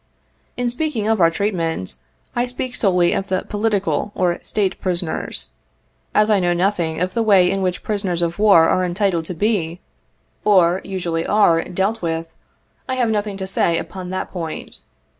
In speaking of our treatment, I speak solely of the " political " or "State prisoners." As I know nothing of the way in which prisoners of war are entitled to be, 57 or usually are, dealt with, I have nothing to say upon that point.